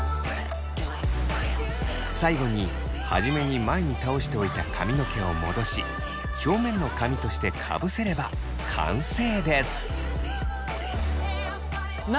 最後に初めに前に倒しておいた髪の毛を戻し表面の髪としてかぶせれば完成です。